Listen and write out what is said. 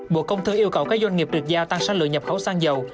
bộ công thương yêu cầu các doanh nghiệp được giao tăng sản lượng nhập khẩu xăng dầu